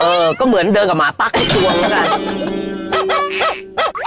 เออก็เหมือนเดินกับหมาปั๊กอีกตัวแล้วกัน